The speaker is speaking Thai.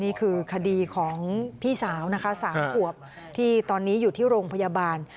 นี่คือคดีของพี่สาวนะคะ๓ขวบที่ตอนนี้อยู่ที่โรงพยาบาล